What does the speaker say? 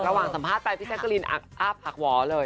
แต่ระหว่างสัมภาษณ์ไปพี่แช่งกะลินอับหักหวอเลย